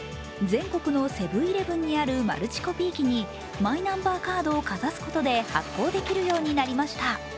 全国のセブン−イレブンにあるマルチコピー機にマイナンバーカードをかざすことで発行できるようになりました。